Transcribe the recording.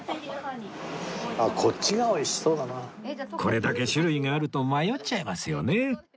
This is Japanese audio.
これだけ種類があると迷っちゃいますよね